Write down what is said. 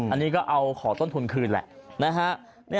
อันนี้ก็เอาขอต้นทุนคืนแหละนะฮะ